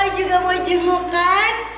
lo juga mau jenguk kan